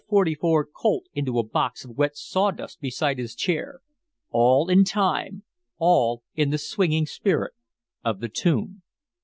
44 Colt into a box of wet sawdust beside his chair all in time, all in the swinging spirit of the tune.